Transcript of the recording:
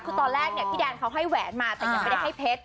ตอนแรกพี่แดนเค้าให้แหวนมาแต่ยังไปให้เพชร